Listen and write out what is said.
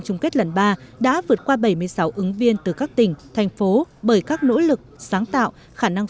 chung kết lần ba đã vượt qua bảy mươi sáu ứng viên từ các tỉnh thành phố bởi các nỗ lực sáng tạo khả năng